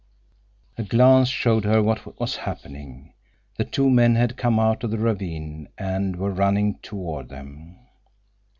_" A glance showed her what was happening. The two men had come out of the ravine and were running toward them.